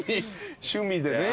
趣味でね。